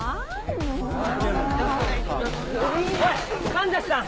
もうおい神崎さん！